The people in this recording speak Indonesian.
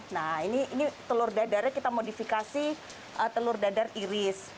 nah ini telur dadarnya kita modifikasi telur dadar iris